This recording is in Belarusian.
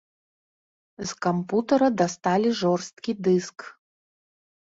З кампутара дасталі жорсткі дыск.